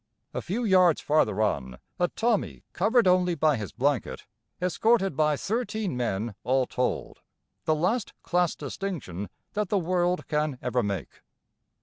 A few yards farther on a "Tommy" covered only by his blanket, escorted by thirteen men all told, the last class distinction that the world can ever make.